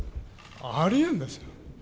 ありえんですよ。